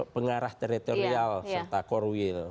pengarah teritorial serta core will